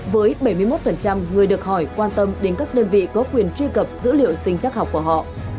với bảy mươi một người được hỏi quan tâm đến các đơn vị có quyền truy cập dữ liệu sinh chắc học của họ